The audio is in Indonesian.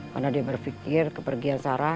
karena dia berpikir kepergian sarah